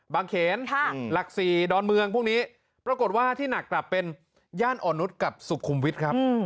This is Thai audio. เขนหลัก๔ดอนเมืองพวกนี้ปรากฏว่าที่หนักกลับเป็นย่านอ่อนนุษย์กับสุขุมวิทย์ครับ